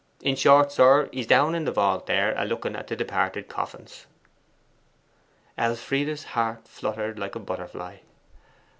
In short, sir, he's down in the vault there, a looking at the departed coffins.' Elfride's heart fluttered like a butterfly.